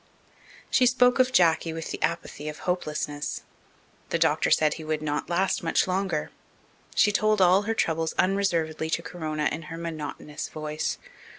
She spoke of Jacky with the apathy of hopelessness. The doctor said he would not last much longer. She told all her troubles unreservedly to Corona in her monotonous voice.